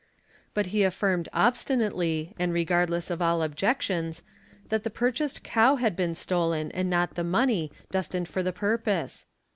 But he affirmed obstinately and regardless of all objections, that the pur chased cow had been stolen and not the money destined for the purpose.